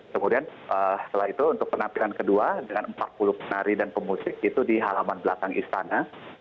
kemudian setelah itu untuk penampilan kedua dengan empat puluh penari dan pemusik itu di halaman belakang istana